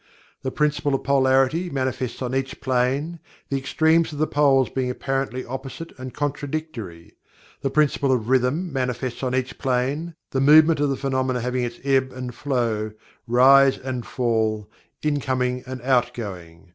The Principle of Polarity manifests on each plane, the extremes of the Poles being apparently opposite and contradictory. The Principle of Rhythm manifests on each Plane, the movement of the phenomena having its ebb and flow, rise and flow, incoming and outgoing.